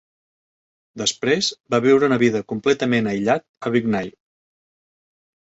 Després, va viure una vida completament aïllat a Vignay.